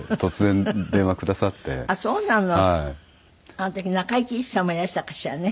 あの時中井貴一さんもいらしたかしらね。